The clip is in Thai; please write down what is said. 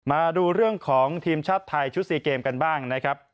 มาดูเรื่องของทีมชาติไทยชุด๔เกมกันบ้างนะครับ